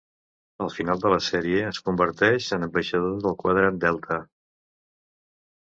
Al final de la sèrie es converteix en ambaixador del Quadrant Delta.